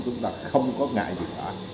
chúng ta không có ngại gì cả